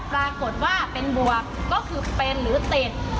ปรากฏว่าเป็นบวกก็คือเป็นหรือติด